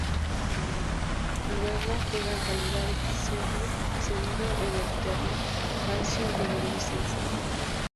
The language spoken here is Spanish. Luego juega en calidad de cedido en el Ternana Calcio y en el Vicenza.